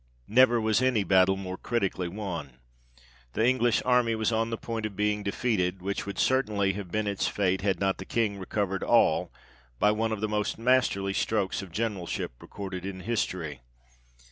Never was any battle more critically won. The English army was on the point of being defeated, which would certainly have been its fate, had not the King recovered all, by one of the most masterly strokes of generalship recorded in history.